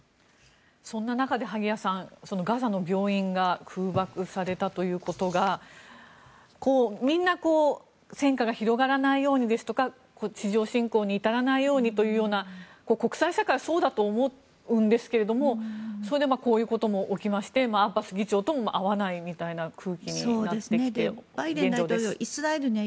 そんな中で萩谷さん、ガザの病院が空爆されたということがみんな戦火が広がらないようにですとか地上侵攻に至らないようにというような国際社会はそうだと思うんですけどそれでこういうことも起きましてアッバス議長とも会わないみたいな空気になってきている現状です。